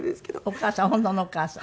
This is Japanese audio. お母さん本当のお母さん。